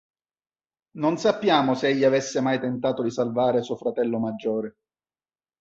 Non sappiamo se egli avesse mai tentato di salvare suo fratello maggiore.